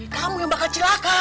kamu yang bakal cilaka